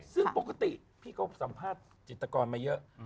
ซึ่งปกติพี่ก็สัมภาษณ์จิตกรมาเยอะ